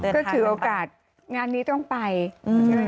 พี่หนุ่มกินเดี๋ยวนี้ก็ให้รถบริการค่ะพี่หนุ่มกินเดี๋ยวนี้ก็ให้รถบริการค่ะ